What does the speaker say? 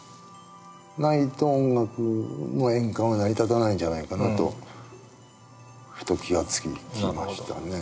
ないと音楽の円環は成り立たないんじゃないかなとふと気が付きましたね。